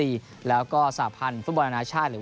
ได้รับเอกสารยืนยันว่าจะเป็น